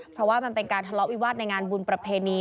เพราะว่ามันเป็นการทะเลาะวิวาสในงานบุญประเพณี